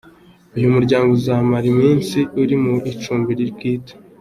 Uyu muryango uzamara iminsi uri mu icumbi bwite.